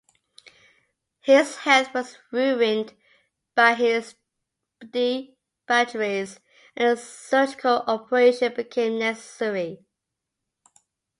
His health was ruined by his debaucheries, and a surgical operation became necessary.